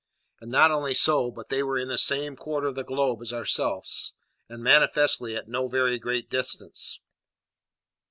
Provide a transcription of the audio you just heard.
And not only so, but they were in the same quarter of the globe as ourselves, and manifestly at no very great distance.